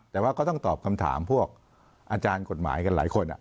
แต่ว่าก็ต้องตอบคำถามพวกอาจารย์กฎหมายกันหลายคน